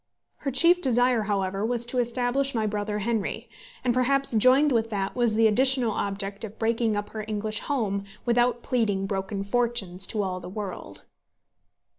Her chief desire, however, was to establish my brother Henry; and perhaps joined with that was the additional object of breaking up her English home without pleading broken fortunes to all the world.